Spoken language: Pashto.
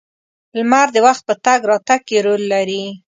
• لمر د وخت په تګ راتګ کې رول لري.